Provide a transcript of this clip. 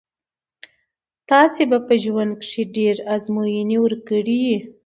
تاسي به په ژوند کښي ډېري آزمویني ورکړي يي.